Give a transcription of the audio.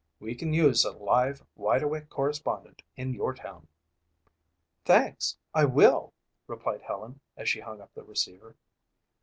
We can use a live, wide awake correspondent in your town." "Thanks, I will," replied Helen as she hung up the receiver.